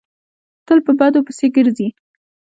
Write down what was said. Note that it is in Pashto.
تل په بدو پسې ګرځي.